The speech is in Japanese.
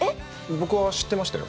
僕は知ってましたよ。